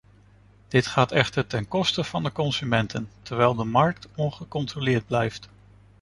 Dit gaat echter ten koste van de consumenten, terwijl de markt ongecontroleerd blijft.